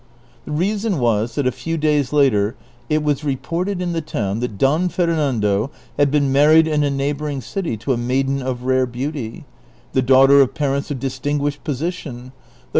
The reason was, that a few days later it was reported in the town that \)o\\ Fernando had been married in a neighboring city to a maiden of rare beauty, the daughter of parents of distinguished position, though 234 DON QUIXOTE.